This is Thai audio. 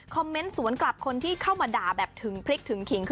คอมเมนต์สวนกราบคนที่เข้ามาด่าถึงพริกถึงคิง